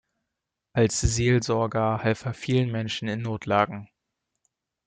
Als Seelsorger half er vielen Menschen in Notlagen.